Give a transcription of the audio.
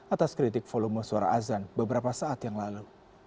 atas kritik volume suara azan beberapa saat yang lalu